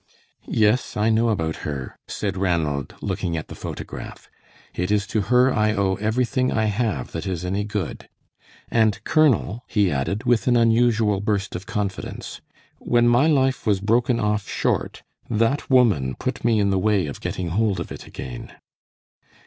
"Yes, I know about her," said Ranald, looking at the photograph; "it is to her I owe everything I have that is any good. And Colonel," he added, with an unusual burst of confidence, "when my life was broken off short, that woman put me in the way of getting hold of it again."